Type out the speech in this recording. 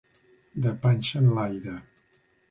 De panxa enlaire.